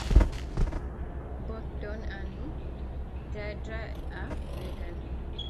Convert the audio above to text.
Both Don and Deirdre are vegan.